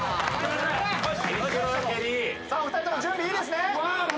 お二人とも準備いいですね？